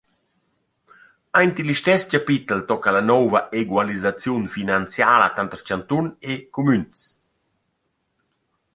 Aint il listess chapitel tocca la nouva egualisaziun finanziala tanter chantun e cumüns.